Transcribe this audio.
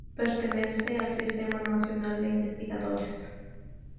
Pertenece al Sistema Nacional de Investigadores.